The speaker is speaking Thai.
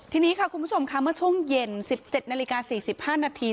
ทีนี้ค่ะคุณผู้ชมค่ะเมื่อช่วงเย็น๑๗นาฬิกา๔๕นาที